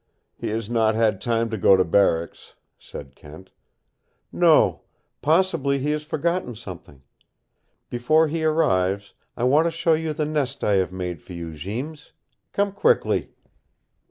"He has not had time to go to barracks," said Kent. "No. Possibly he has forgotten something. Before he arrives, I want to show you the nest I have made for you, Jeems. Come quickly!"